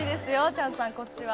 チャンさんこっちは。